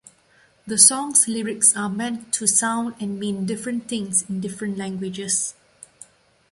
The song's lyrics are meant to sound and mean different things in different languages.